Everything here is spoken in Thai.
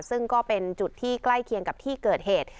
ซึ่งก็เป็นจุดที่ใกล้เคียงกับที่เกิดเหตุ